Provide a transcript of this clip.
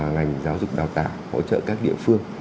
ngành giáo dục đào tạo hỗ trợ các địa phương